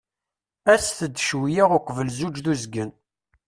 As-t-d cwiya uqbel zzuǧ d uzgen.